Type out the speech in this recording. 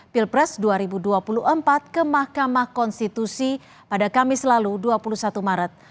pilpres dua ribu dua puluh empat ke mahkamah konstitusi pada kamis lalu dua puluh satu maret